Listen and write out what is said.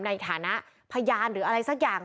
ในฐานะพยานหรืออะไรสักอย่าง